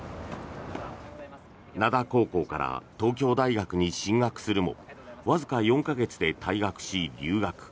灘高校から東京大学に進学するもわずか４か月で退学し、留学。